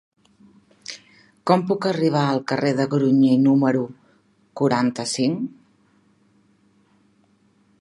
Com puc arribar al carrer de Grunyí número quaranta-cinc?